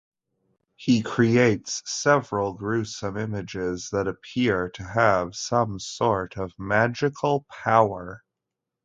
He creates several gruesome images that appear to have some sort of magical power.